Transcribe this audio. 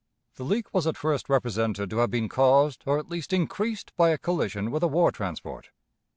The leak was at first represented to have been caused, or at least increased, by collision with a war transport.